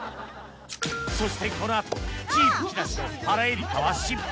そしてこのあとチーム木梨の原英莉花は失敗